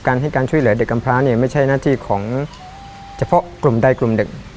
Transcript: ให้การช่วยเหลือเด็กกำพร้าเนี่ยไม่ใช่หน้าที่ของเฉพาะกลุ่มใดกลุ่มหนึ่ง